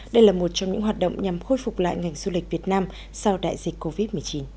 đây là một trong những hoạt động nhằm khôi phục lại ngành du lịch việt nam sau đại dịch covid một mươi chín